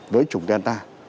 với chủng delta